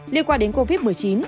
liên quan đến covid một mươi chín